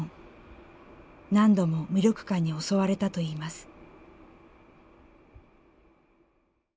何度も無力感に襲われたといいます。